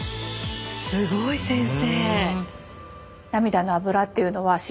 すごい先生！